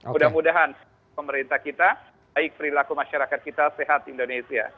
mudah mudahan pemerintah kita baik perilaku masyarakat kita sehat indonesia